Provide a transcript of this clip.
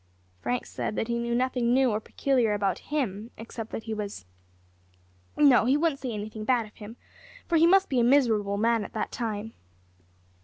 Frank said that he knew nothing new or peculiar about him, except that he was no, he wouldn't say anything bad of him, for he must be a miserable man at that time.